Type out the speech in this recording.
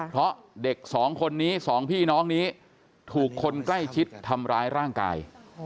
เพราะเด็กสองคนนี้สองพี่น้องนี้ถูกคนใกล้ชิดทำร้ายร่างกาย